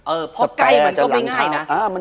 เพราะใกล้มันก็ไม่ง่ายนะ